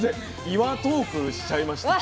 「岩トーク」しちゃいました。